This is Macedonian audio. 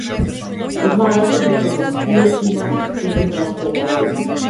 Знаеше дека ако спие, ќе има еден час помалку.